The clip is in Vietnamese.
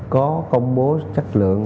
có công bố chất lượng